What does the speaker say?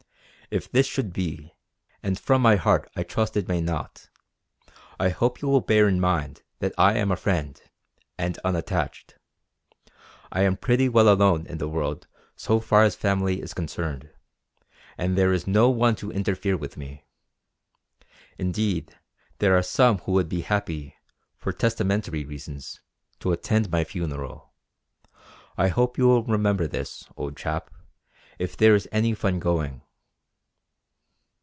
If this should be, and from my heart I trust it may not, I hope you will bear in mind that I am a friend, and unattached. I am pretty well alone in the world so far as family is concerned, and there is no one to interfere with me. Indeed there are some who would be happy, for testamentary reasons, to attend my funeral. I hope you will remember this, old chap, if there is any fun going."